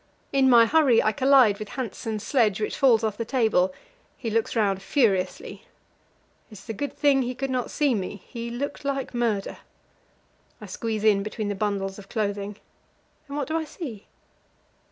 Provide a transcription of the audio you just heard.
In my hurry I collide with Hanssen's sledge, which falls off the table; he looks round furiously. It is a good thing he could not see me; he looked like murder. I squeeze in between the bundles of clothing, and what do I see?